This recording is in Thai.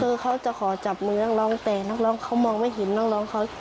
คือเขาจะขอจับมือนักร้องแต่นักร้องเขามองไม่เห็นน้องเขา